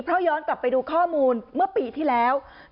เพราะย้อนกลับไปดูข้อมูลเมื่อปีที่แล้ว